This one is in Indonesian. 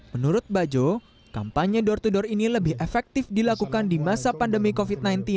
menurut bajo kampanye door to door ini lebih efektif dilakukan di masa pandemi covid sembilan belas